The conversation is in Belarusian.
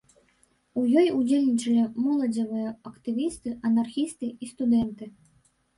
У ёй удзельнічалі моладзевыя актывісты, анархісты і студэнты.